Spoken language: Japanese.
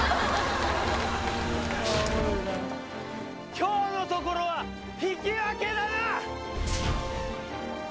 今日のところは引き分けだな